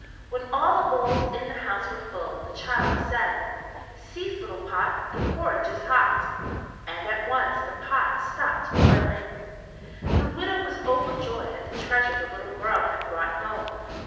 When all the bowls in the house were full, the child said: "Cease little pot, The porridge is hot," and at once the pot stopped boiling. The widow was overjoyed at the treasure the little girl had brought home.